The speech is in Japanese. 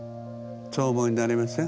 そう思いになりません？